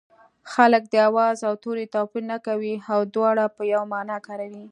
خلک د آواز او توري توپیر نه کوي او دواړه په یوه مانا کاروي